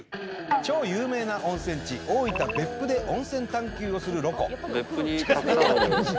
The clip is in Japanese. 超有名な温泉地大分別府で温泉探求をするロコ。